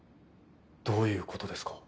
どういうことですか？